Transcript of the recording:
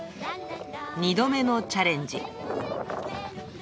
２度目のチャレンジ。